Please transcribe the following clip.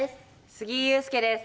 杉井勇介です。